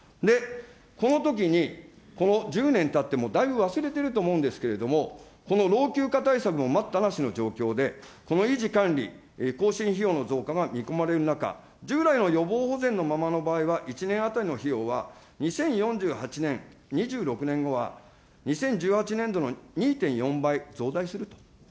このときに、この１０年たっても、だいぶ忘れてると思うんですけれども、この老朽化対策も待ったなしの状況で、この維持、管理、更新費用の増加が見込まれる中、従来の予防保全のままの場合は１年当たりの費用は２０４８年、２６年後は２０１８年度の２．４倍増大すると。